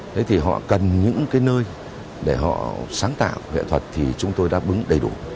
thế thì họ cần những nơi để họ sáng tạo nghệ thuật thì chúng tôi đã bứng đầy đủ